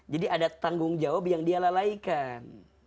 jadi ada tanggung jawab yang dia lalaikan